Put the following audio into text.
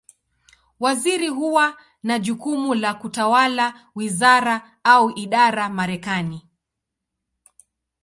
Waziri huwa na jukumu la kutawala wizara, au idara Marekani.